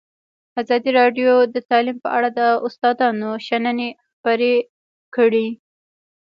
ازادي راډیو د تعلیم په اړه د استادانو شننې خپرې کړي.